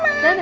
nah udah bye